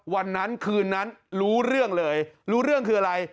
วันนั้นคืนนั้นรู้เรื่องเลยรู้เรื่องคืออะไร